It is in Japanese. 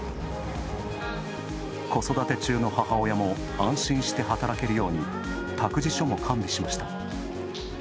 子育て中の母親も安心して働けるように託児所も完備しました。